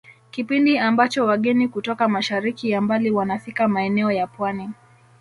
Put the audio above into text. Kipindi ambacho wageni kutoka mashariki ya mbali wanafika maeneo ya Pwani